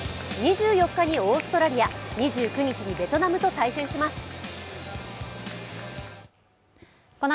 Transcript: ２４日にオーストラリア、２９日にベトナムと対戦します。